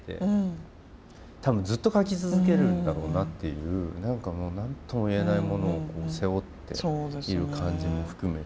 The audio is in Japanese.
多分ずっと描き続けるんだろうなっていう何とも言えないものを背負っている感じも含めて